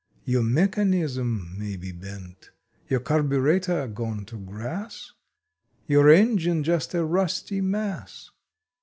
Your MECHANISM may be bent, Your CARBURETER gone to grass, Your ENGINE just a rusty mass.